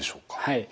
はい。